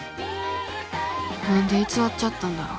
何で偽っちゃったんだろう。